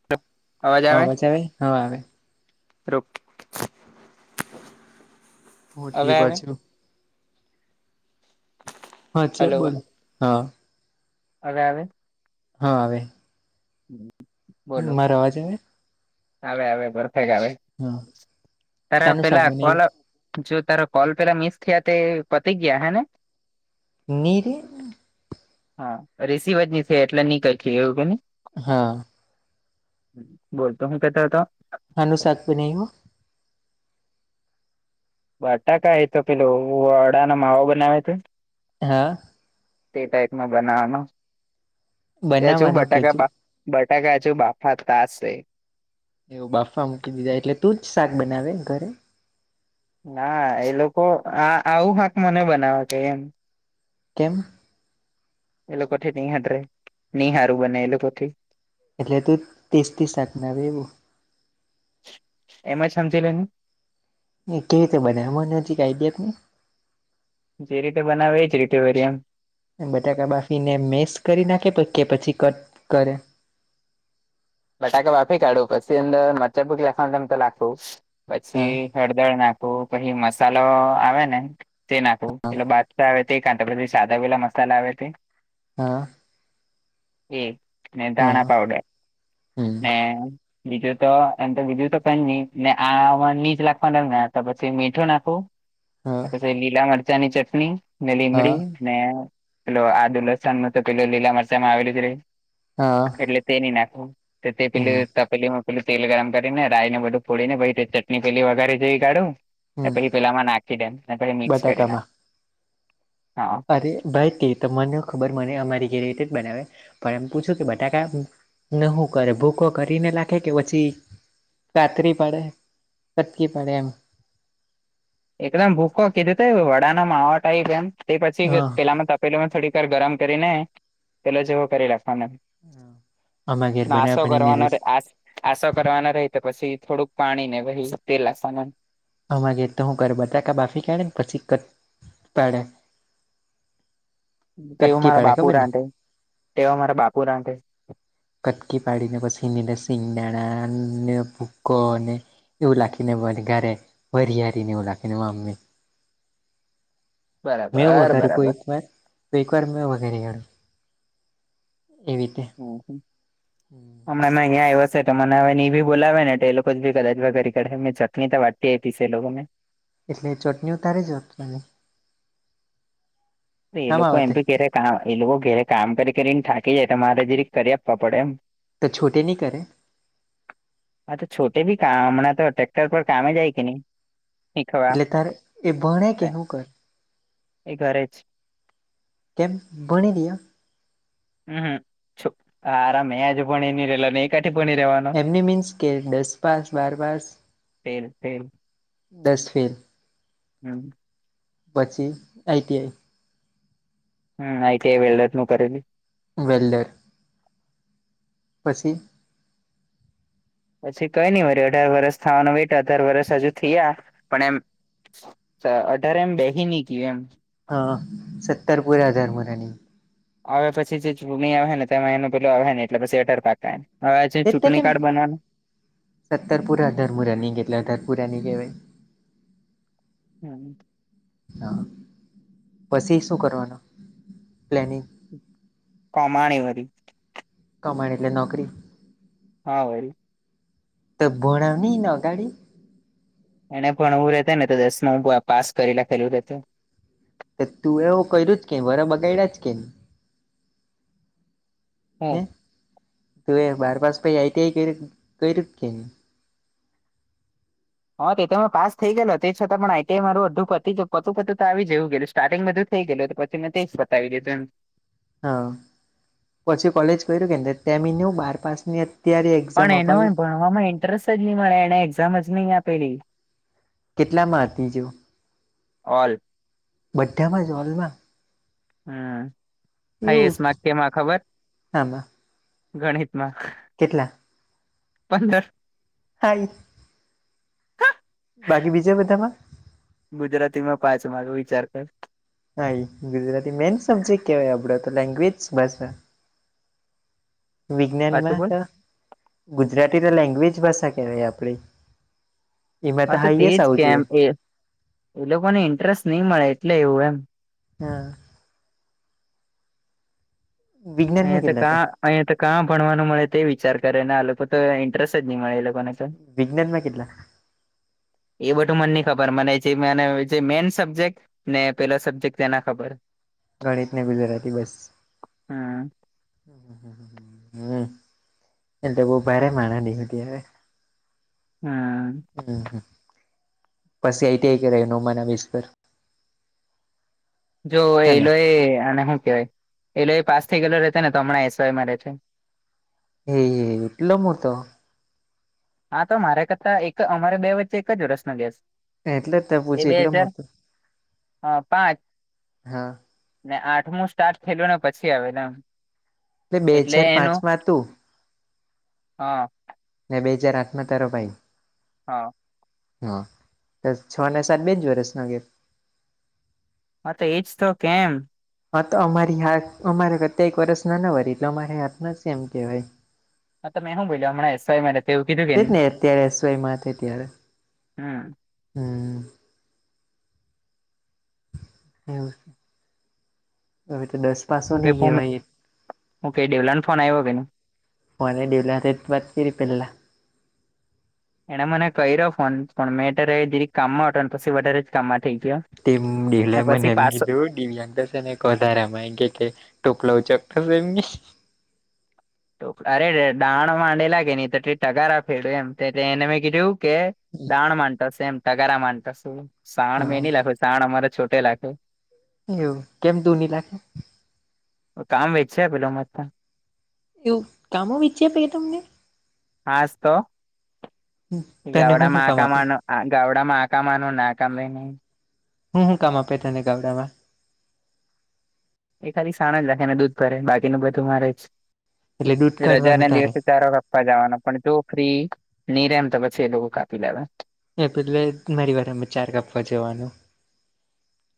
હ અવાજ આવે હવે આવે. રોક. હું ઠી પાછું. હા ચ બોલ હા. અરે અરે. હા આવે. હમ [inaudible] હું મારા અવાજ આવે. આવે આવે બરફેક આવે હા ત્યારે શાનું શાક પેલા કોલ બનાવ્યું જો તારા કોલ પેલા મિસ થયા તે પતિ ગયા હેને. નીરી હા ઇસી વજહ સે એટલે ની કાય કીલીયર એવું ને. હા. બોલતો હું કેત તા. શાનુ શાક બનાયુ. બટાકા એતો કે પેલો વડાનો માવો બનાવા તે. હા. તે ટાઈપ નો બનાવાનો ત્યાં છું બનાવવાનો કેજુ બટાકા બટાકા હજુ બફાતા હશે. એવું બાફવા મૂકી દીધા એટલે તું જ શાક બનાવે ઘરે. ના એ લોકો આ આવું હાક મને બનાવા ક એમ. કેમ. એ લોકો થી નહી હતરે નહી હારું બને એ લોકો થી. એટલે તું ટેસ્ટી શાક બનાવે એવું. એમ જ સમજી લેને. અ કેવી રીતે બનાયુ મને જી આઇડિયા કો. જે રીતે બનાવે ઈજ રીતે વેરિએમ. બટાકા બાફીને મેસ કરી નાખે પ કે પછી કટ કરે. બટાકા બાફી કાઢું પછી અંદર મચ્ચાબુક લશળ તેમમ તો લાખુ હા પછી. હળદર નાખુ પછી મસાલો આવે ને. તે નાખવું પટલે બાદ આવે કાથી સાદા વેલા મસાલા આવે તે હા એક ને હા ધાણા હા પાવડર હમ ને બીજું તો એમ તો બીજું તો પેન નહી ને આમાં નીચ લખવા ને પછી મીઠું નાખવુ હા પછી લીલા મરચાં ની ચટણી ને હા લીમડી ને પેલો આ દુથન ન તો પે લીલા મરચામાં આવેલું છે. હા એટલે તે નઈ નાખું તે પે હમ પેલીું પેલું તેલ ગરમ કરીને રાય ને બધું ફોડીને ચટણી પેલી વગરે જેઈ કાઢુ હમ પછી પેલામાં નાખી દેમ પછી મિક્સ કરી ના બટાકામાં હા અરે બા જ કએ તો મને ખબર મને અમારી રેરેટ જ બનાવે પણ એમ પૂછુ કે બટાકા નું કરે ભૂકો કરીને લખે કે પછી સાત્રી પડે કતવી પડે એમ એકદમ ભૂકો કીધુ, ત વડાના માવ ટાઈપ એમ તે પછી હા પેલામા પેલો થોડીકર ગરમ કરીને પેલો જેવો કરી રાખવાનો આમા ઘેર બનાવે નાશો પણ કરવાનો એને ર આ આસો કરવાના રહી તો પછી થોડુંક પાણી ને પછ તેલસા અમાં ગ તો હુ ઘર બતાાકા બાફી કાઢે ને પછી કટ પાડે તેવું કટકી મારા પાડે બાપુ ખબર ને રાઠે તેવ મારા બાપુ રાઠે કટકી પાડીને પછી ટ સિંગદાણા ને ભૂકો અને એવ લખીને બને ગારે વારિયારીનેવ લખીનેમાં અમમે મેંવ બરાબર ઘર બરાબર કોઈ વાર સ્કર્મ વગેરેું એ રીતે હમ્મ હમ્મ હમણાં અહીં આવ્યો હશે, તો મને હવે એ બી બોલાવે ને. એ લોકો જ બી કદાચ ભાઈ કરી, કરડે ચટણી તો વાટતી એ લોકોને એટલે ચોટણી ઉતારે જ તને એ આમાં લોકો એમ વાતે ઘરે કામ, એ લોકો ઘેરે કામ કરી કરીને થાકી જાય, તો તમારે જે કરી આપવા પડે એમ તે છોટે નહી કરે હ, તો છોટે ભી કામણા તો ટ્રેક્ટર પર કામમે જાય કે ની એટલે તારે એ ભણે કે હુ કરે એ ઘરે જ કેમ ભણી રીયો હમ, હારા, મેજ ભણી ની રેલો, એ કાં થી ભણી રહેવાનો એમની મીન્સ કે, દસ પાસ, બાર પાસ, ફેલ ફેલ દસ ફેલ હમ્મ પછી આઈટીઆઈ હમ, આઈટીઆઈ માં ઇલેક્ટ્રોનિક નું કરેલુ વેલે પછી પછી કઈ નહીં, વળી અઢાર વર્ષ થવાનું બેઠા, અઢાર વર્ષ હજુ થયા પણ એમ. અઢાર એમ બેહી ની ગયુ એમ હા, સત્તર પુરા, અઠ્ઠારમુ લાગ્યુ આવે પછી જે ચૂણીણી આવે ને, તેમાં એનું પેલું આવે ને, એટલે અઠ્ઠાર પાકાને હવે આ છે ચૂંટણી કાર્ડ બનાવાનુ સત્તરપુરા, અઠ્ઠારમુ રનીગ, એટલે અઠ્ઠારમુ લાગ્યુ. હમ્મ હા, પછી શું કરવાનું પ્લેનિંગ કમાણી વરી કમાણીની ને નોકરી હા, વળી તો ભણાવની અગાડી. એને પણ ભણવું રહેતે ને, તો દસમાં હું પાસ કરી લખેલું તું તું એવું કર્યું જ કે વર્ષ બગાડ્યા જ કે? હમ હે તું એ બાર પાસ પછી આઈટીઆઈ કર્યું કે? હ તે તો પાસ થઈ ગયો તે છતાં પણ આઈટીઆઈ મારું અધું પત્યું તો આવી જેવું ગયલું છે. સ્ટાટીગ થઈ ગયું તો પછી મેઈ જ પતાવી દીધું એમ. હઓ પછી કોલેજ કર્યું કે ત્યાં મીન્સ બાર પાસની અત્યારે એક્ઝામ પણ એને અપાવી ભણવામાં ઇન્ટરેસ્ટ જ નહીં મળે એને એક્ઝામ જ નહીં આપેલી. કેટલામાં હતી જે? ઓલ. બધામાં જ હોલમાં. હમ્મ હાઈ એવું એસ્ટ માર્ક કેમાં ખબર આમાં ગણિત માં. કેટલા? પંદર. સાહી બાકી બીજા બધામાં? ગુજરાતી માં પાંચ માર્ક વિચાર કર. હા ગુજરાતી મેન સબ્જેક કેવાય આપડો તો લેંગ્વેજ બસ. [unintelligible] વિજ્ઞાન પાછું માં બોલ તો? ગુજરાતી ના લેંગ્વેજ ભાષા કેવાય આપણે એમાં હા તો હાઈ તેજ એસ જ આવું કેમ જોઈએ એ એ લોકોને ઇન્ટરેસ્ટ નહી મળે એટલે એવું એમ હમ્મ. વિજ્ઞાનમાં અહીંયા તો કેટલા કા હતા અહીયાયા તો કાં ભણવાનું મળે તે વિચાર કરે ને આ લોકો તો ઇન્ટરેસ્ટ જ નહી મળે એ લોકોને તો વિજ્ઞાન માં કેટલા? એ બધું મને નઈ ખબર મને જે મને જે મેન સબ્જેક્ટ ને પેલો સબ્જેક્ટ તેના ખબર ગણિતને ગુજરાતી બસ હા. હમ્મ એટલે બહું ભારે માણસની હતી હે હા. હમ્મ પછી આઈ ટી આઈ કરાયું નવ માં ના બેઝ પર જો હેને એલોય અને શું કેવાય એલો એ પાસ થઈ ગયેલો રહેતો ને તો હમણાં એસવાયમાં રહે છે એ એટલો મોટો હા તો મારે કરતાં એક અમારે બે વચ્ચે એક જ વરસ ના ગેપ છે. એટલે જ ત્યાં પુછી એટલે મુ હા પાંચ હા. ને આઠમું સ્ટાર્ટ થેલું ને પછી આવે એમ. બે એટલે હજાર એનું પાંચમાં તું હા. ને બે હજાર આઠ માં તારો ભાઈ હા. હા છ ને સાત બેજ વર્ષનો ગેપ હા તે એજ તો કેમ હા તો અમારી હાથ અમારે કરતે એક વરષ ના ના હોય એટલે અમારે હાથમાં છે એમ કેવાય. હા ત મેં શું બોલ્યો હમણા એસઆઈ મે રે જ ને અત્યારે એસ વાયમાં ત્યારે હમ હમ્મ. હમ્મ એવું હવે તો દસ પાસ નહી કેહેવાય ઓકે ડેવલાને ફોન આવ્યો કે નઈ ફોન ને દેવલા તે વાત ફીરી પેલા એને મને ક્યો ફોન પણ મેં અત્યારે દીરીક કામમાં હતો ને પછી વધારે જ કામમાં થઇ ગયો. તે ને ડેલાય મને પછી એમ પાછો કીધું. દિયાશે ને વધારામાં કે ટોકલા ઉ ચકશે એમને. અરે ડાણ માંડેલા કેે નહી તો ટગારા ફેડ્યું એમ એને મેં કીધું કે. દાણ નતોશે એમ ટગારા મામાંતો શ શાણ હા મેં નની લખ ચાણ અમારે છોટે લાખે. એવું કેમ દૂની લખે. કામ વેચ છે પેલા મસ્ એવું કામો વિચ્યા પે તમને. હાસ તો. તને ગવડા હું હું કામ આપે માકામાનું આ ગવડા માકામાનું નાકામ લની હું હું કામ આપે ત ને ગાવડામાં. એ ખાલી સાણ જ રાખે ને દૂધ ભરે બાકીનું બધું મારે એટલે દૂધ જ રજા કાઢવાનું ના તારે દિવસે ચારો. વા જવાના પણ જો ફ્રી ની રમ તો પછી એ લોકો કાપી લેવા. એ પેલે મારી વાર ચાર કાપવા જવાનું.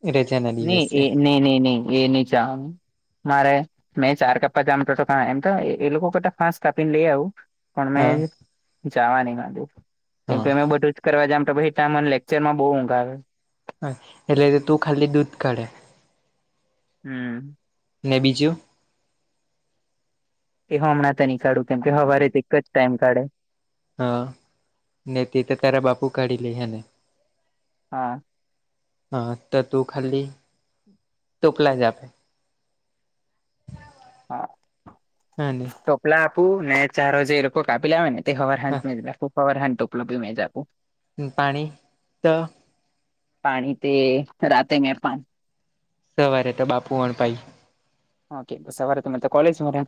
એરે છે ને. નહી એ ન નહી નહી એ નહી ચા મારે મેં ચાર કપ્પા જામટ તો એમ તો એ લોકોતા ફાં કાપીને લઈ આવું. પણ હા મેં જવા નહી માંગુ હા કેમકે મે બધું. કરવા જામ તો મને લેક્ચરમાં બઉુ ઊંઘ આવે. હા એટલે તું ખાલી દૂધ કાઢે. હમ. ને બીજું? એ હમણાં નહીં કાઢું કેમ કે હવારેથી એક જ ટાઈમ કાઢે. હા ને તે તો તારા બાપુ કાઢી લે હેને. હા. હા તો તું ખાલી તોકલા જ- - હા. હમ. ટપલા આપું ને ચારો જે લોકો કાપી આવે ને તે હવરહાજ હા મે પવર હાજ ટપલા મેજ આપું. પાણી તો- - પાણી તે રાતે મે પા- - સવારે તો બાપુ પણ પાઈ. ઓકે સવારે તોમે કોલેજ મા રો.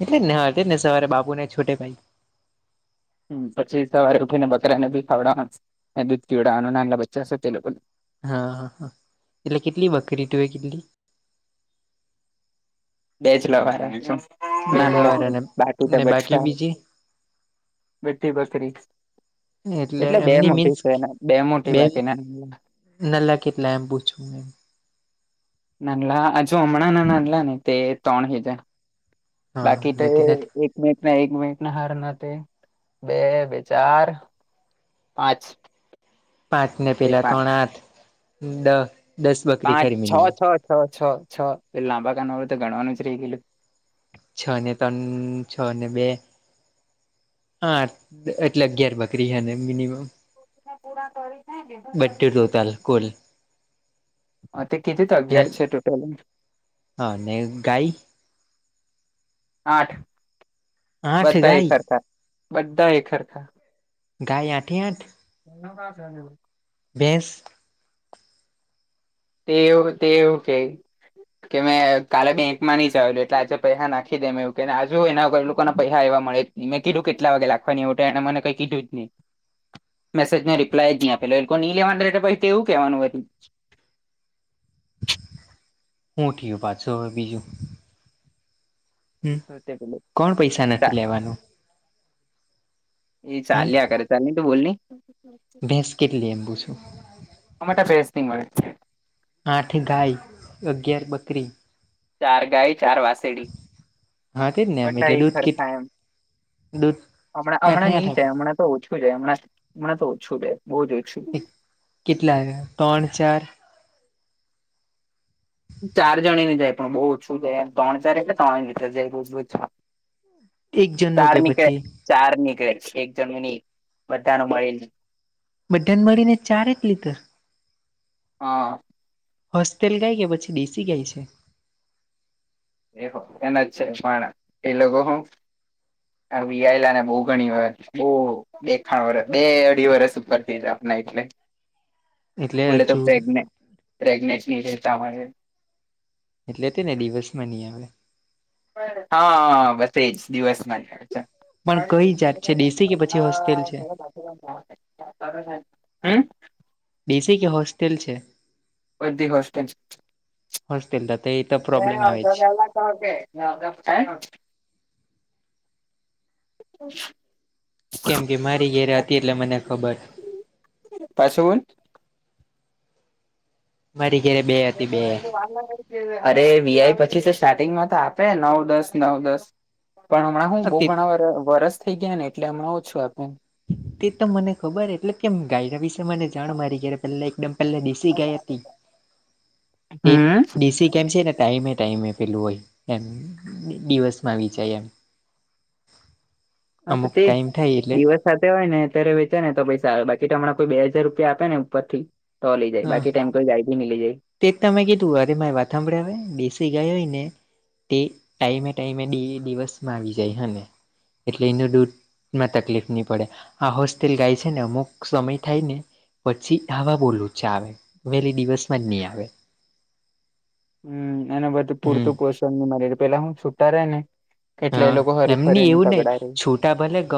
એટલે ને હ ને સવારે બાપુ ને છોટે ભાઈ. પછી સવારે ઉઠીને બકરા ને બી ખાવડાવાને દૂધ પીવડ નાના બચ્ચા હશે તે લોકો- - હા હ હા એટલે કેટલી બકરી તુએ કિઘેલી? બે જ લવામ છ નામ બેલાવાળાને બાકી ને બાકી બા- - બીજી મીઠઠી બકરી એટલે બે એમની મીન્સ મોટી છે બે મોટી બાકીના- - નલા કેટલા એમ પૂછું એમ? નાનલા હજુ હમણાં ના નડલા ને તે ત્રણ હીજા. હા બાકી તો નથી નથી એક- - મિનિટ એક મિનિટના હારના બે બે ચાર પાંચ. પાંચ ને તે પેલા પાંચ ત્રણ આઠ દસ. બકરી પાંચ ખરી છ મિનિમમ છ છ છ છ એ લાંબા કાાન વાળું તો ગણવાનું જ રહી ગયું. છ ને ત્રણ છ ને બે- - હા એટલે અગિયાર બકરી છે ને મિનિમમ. પૂરા કરી જાય બધું તમે- - ટોટલ કુલ હ તે કીધી તો ને અગિયાર છે ટોટલ. હા અને ગાય? આઠ આઠ બધા એ ગાય સરખા બધા એ સરખા. ગાય આઠે આઠ [inaudible] ભેસ તેવ તેવ કેય કે મેં કાલે બેંકમાં નની જાવલું એટલે આજે પૈહા નાખી દેમ એવું કે ને આજુ એના વગર લોકોના પૈહા એયવા મળે મેં કીધું કેટલા વાગે લાખવાની એવુ ત એણે મને કઈ કીધું જ ની મેજનો રિપ્ય ની આપેલો એલોકોની લેવાન રે ત પહી તેવુ કરવાનું વરી હું ઠીયું પાછુ હવે બીજું? હમ હતું કોણ પૈસા નથી લેવાનું? એ હમ ચાલ્યા કરે ચાલ ની તું બોલની? ભેંસ કેટલી એમ પુછું? અમેટા ભેસ ની મળે આઠ ગાય અગિયાર બકરી ચાર ગાય ચાર વાસ હા તેજ ને એમ એટલે એ દૂધ કેટ દૂધ અમણા આઠે અમણાં આઠ નીચે આપે અમણાં તો ઓછું રે અમણાં અમણા તો ઓછું રે બો જ ઓ એક કેટલા ત્રણ ચાર? ચાર જણી ને જાય પણ બહુ ઓછું જાય તણ ચાર એટલે ત્રણ ની લીતર જાય બોજ બોજ એક જણનું ચાર કે નીકળે પછી ચાર નીકળે એક જણની બધા નુ મળીને બઢાને મળી ને ચાર જ લીટર? હ. હોસ્ટેલ ગાય કે પછી દેશી ગાય છે? [unintelligible] એના જ છે પણ એ લોકો હું આ વીયાયલા ને બો ઘણી વાર બો બે ખાણ વરસ બે અઢી વરસ ઉપર થઈ જાવાના એટલે એટલે બોલે તો હજુ પ્રગને પ્રેગનેટ ની રેતા હોય એ એટલે તે ને દિવસમાં ની આવે હા બસ એજ દિવસમાં પણ કઈ જાત છે દેશી કે પછી હોસ્ટેલ છે [inaudible] હમ. દેસી કે હોસ્ટેલ છે? બધી હોસટેલ હોસ્ટેલ તો તો એ તો પ્રોબ્લેમ આવે જ છે [unintelligible] [inaudible] કેમ કે મારી ઘેરે હતી એટલે મને ખબર પાછુ બોલ મારી ઘેરે બે હતી બે [inaudible] અરે વીઆઈ પછી સ્ટાર્ટિંગમાં તો આપે નવ દસ નવ દસ પણ હમણાં હું બો હતી ઘણા વરહ વરસ થઇ ગયા ને એટલે હમણાં ઓછું આપે એમ તે તો મને ખબર એટલે કેમ ગાયના વિશે મને જાણ મારી ઘેરે પેલે એકદમ પેલે ડેસી ગાય હતી એક હમ ડીસી કેમ છે, ને ટાઈમે ટાઈમે પેલું હોય એમ દિવસમાં આવી જાય એમ હા તો અમુક તેજ ટાઈમ થાય એટલે દિવસ સાથે હોય ને અત્યારે વેચે ને તો પૈસા આવે બાકી તો હમણાં કોઈ બે હાજાર રૂપિયા આપે ને ઉપર થી તો લે જાય હા બાકી ત કોઈ ગાયી બી ની લે જાય તે જ તમે કીધું અરે મારે વાત હાભળ હવે ડેસી ગાય હોય ને તે ટાઈમે ટાઈમે દી દિવસ આવી જાય હને એટલે એનું દૂધ માં તકલીફ ની પડે આ હોસ્ટેલ ગાય છે, ને અમુક સમય થાય ને પછી આવા બોલું છે આવે વહેલી દિવસ માં જ નહી આવે. એને બધું હમ પૂરતુ પોષણ ન મળ પેલા હું છૂટા રે ને એટલે એ લોકો હરીફરીને તગડા રે તા ભલે ગ